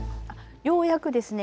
ようやくですね